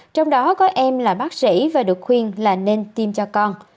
trong đó có em là bác sĩ và được khuyên là nên tiêm cho con